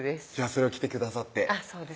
それを着てくださってそうです